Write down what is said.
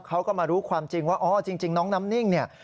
เขาก็มารู้ความจริงว่าอ๋อจริงน้องน้ำนิ่งเนี่ย